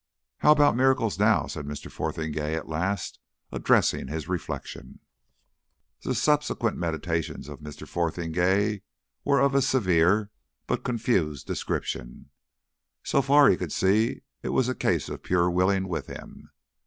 "How about miracles now?" said Mr. Fotheringay at last, addressing his reflection. The subsequent meditations of Mr. Fotheringay were of a severe but confused description. So far, he could see it was a case of pure willing with him.